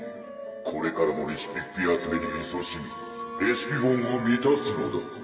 「これからもレシピッピ集めにいそしみレシピボンを満たすのだ」